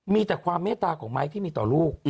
มีแต่ความเมตตาของไม้ที่มีต่อลูก